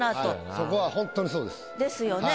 そこはホントにそうです。ですよね。